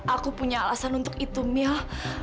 aku punya alasan untuk itu mil